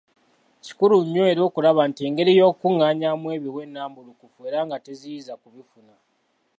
Kikulu nnyo era okulaba nti engeri y’okukungaanyaamu ebiwe nambulukufu era nga teziyiza kubifuna.